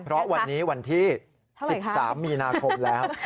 เพราะวันนี้วันที่๑๓มีนาคมแล้ว